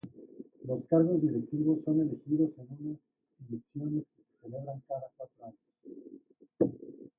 Los cargos directivos son elegidos en unas elecciones que se celebran cada cuatro años.